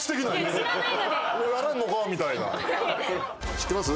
知ってます？